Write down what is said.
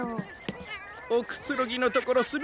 おくつろぎのところすみません。